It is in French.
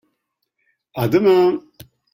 À demain.